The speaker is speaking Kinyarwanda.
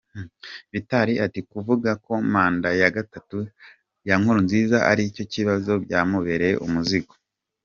Vital ati “Kuvuga ko manda ya gatatu ya Nkurunziza ari cyo kibazo byamubereye umuzigo.